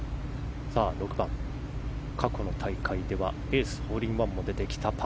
過去の大会ではエース、ホールインワンも出た。